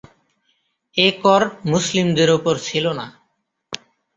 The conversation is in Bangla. এ কর মুসলিমদের উপর ছিল না।